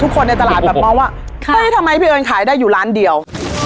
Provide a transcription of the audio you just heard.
คนในตลาดแบบมองว่าเฮ้ยทำไมพี่เอิญขายได้อยู่ร้านเดียว